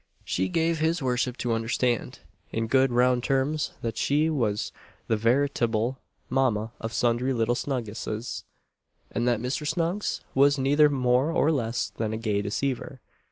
She gave his worship to understand, in good round terms, that she was the veritable mamma of sundry little Snuggses; and that Mr. Snuggs was neither more nor less than a gay deceiver.